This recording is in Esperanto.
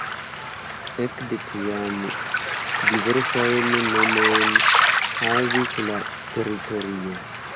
Ekde tiam diversajn nomojn havis la teritorio.